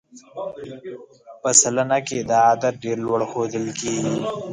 په سلنه کې دا عدد ډېر لوړ ښودل کېږي.